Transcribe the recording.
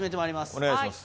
お願いしますあら？